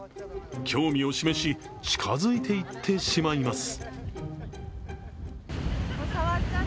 興味を示し、近づいていってしまいます。